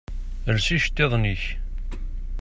Els iceṭṭiḍen-ik!